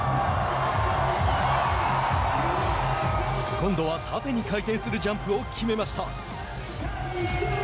今度は縦に回転するジャンプを決めました。